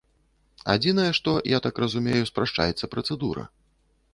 Адзінае, што, я так разумею, спрашчаецца працэдура.